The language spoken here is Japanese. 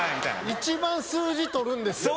一番数字取るんですよ。